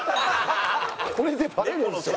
これでバレるんですよ